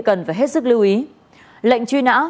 cần phải hết sức lưu ý lệnh truy nã